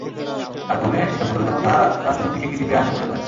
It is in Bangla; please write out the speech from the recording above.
কালক্রমে এসব প্রচলিত প্রথা রাষ্ট্র কর্তৃক স্বীকৃতি পেয়ে আইনে পরিণত হয়েছে।